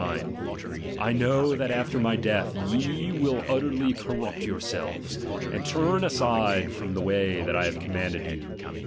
29) :/ inow that after viy death ye will utterly corrupt yourselves, and turn aside from the way that I hare commanded you, ,e.